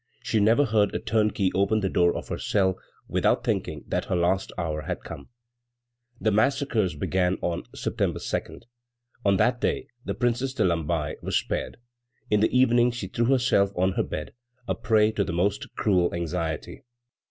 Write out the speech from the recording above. She never heard a turnkey open the door of her cell without thinking that her last hour had come. The massacres began on September 2. On that day the Princess de Lamballe was spared. In the evening she threw herself on her bed, a prey to the most cruel anxiety.